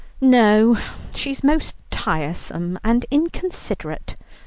"No, she's most tiresome and inconsiderate.